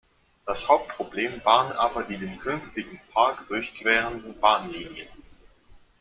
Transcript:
Das Hauptproblem waren aber die den künftigen Park durchquerenden Bahnlinien.